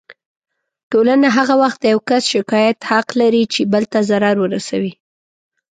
ټولنه هغه وخت د يو کس شکايت حق لري چې بل ته ضرر ورسوي.